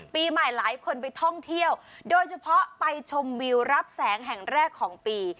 ปีใหม่หลายคนไปท่องเที่ยวโดยเฉพาะไปชมวิวรับแสงแห่งแรกของปี